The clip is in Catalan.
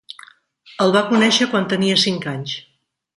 El va conèixer quan tenia cinc anys.